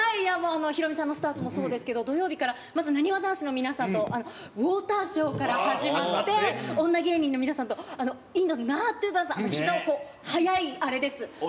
ヒロミさんのスタートもそうですけど、土曜日から、まずなにわ男子の皆さんのウォーターショーから始まって、女芸人の皆さんとインドの、ひざの速いあれです。